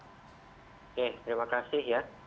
oke terima kasih ya